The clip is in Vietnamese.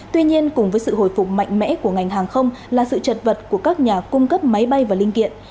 tuy nhiên cùng với sự hồi phục mạnh mẽ của ngành hàng không là sự chật vật của các nhà cung cấp máy bay và linh kiện